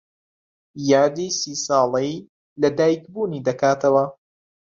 یادی سی ساڵەی لەدایکبوونی دەکاتەوە.